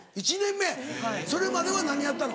それまでは何やったの？